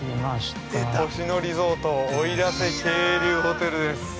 星野リゾート奥入瀬渓流ホテルです。